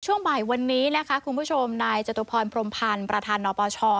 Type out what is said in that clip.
ช่วงบ่ายวันนี้นะคะคุณผู้ชมนายจตุพรพรมพันธ์ประธานนปช